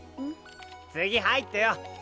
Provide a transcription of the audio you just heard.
次入ってよ！